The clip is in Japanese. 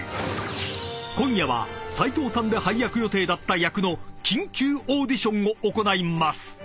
［今夜は斉藤さんが配役予定だった役の緊急オーディションを行います］